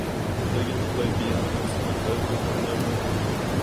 Liggins played piano and sang vocals on the record.